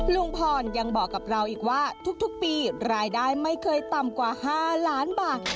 ลุงพรยังบอกกับเราอีกว่าทุกปีรายได้ไม่เคยต่ำกว่า๕ล้านบาท